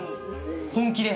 本気で。